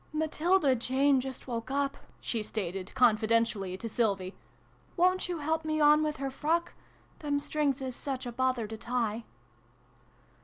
" Matilda Jane has just woke up," she stated, confidentially, to Sylvie. " Wo'n't you help me on with her frock ? Them strings is such a bother to tie